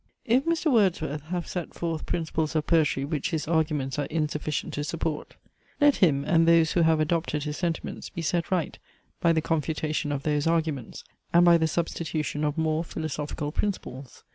If Mr. Wordsworth have set forth principles of poetry which his arguments are insufficient to support, let him and those who have adopted his sentiments be set right by the confutation of those arguments, and by the substitution of more philosophical principles.